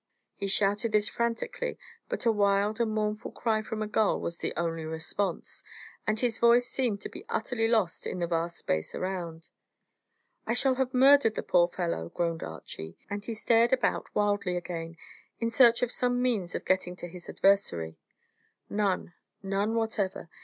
He shouted this frantically, but a wild and mournful cry from a gull was the only response, and his voice seemed to be utterly lost in the vast space around. "I shall have murdered the poor fellow," groaned Archy; and he stared about wildly again, in search of some means of getting to his adversary. None none whatever.